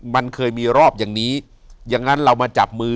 มันเคยมีรอบอย่างนี้อย่างนั้นเรามาจับมือ